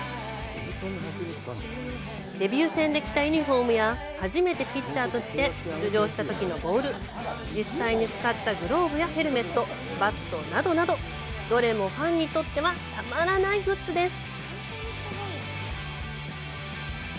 デビュー戦で着たユニホームや初めてピッチャーとして出場したときのボール、実際に使ったグローブやヘルメット、バットなどなど、どれもファンにとってはたまらないグッズです！